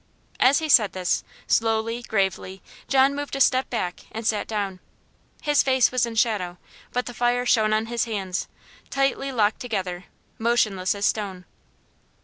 As he said this, slowly, gravely, John moved a step back and sat down. His face was in shadow; but the fire shone on his hands, tightly locked together, motionless as stone.